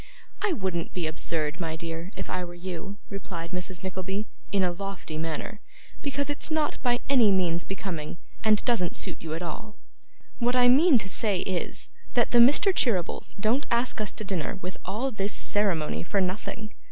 'I wouldn't be absurd, my dear, if I were you,' replied Mrs. Nickleby, in a lofty manner, 'because it's not by any means becoming, and doesn't suit you at all. What I mean to say is, that the Mr. Cheerybles don't ask us to dinner with all this ceremony for nothing.